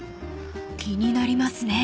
［気になりますね］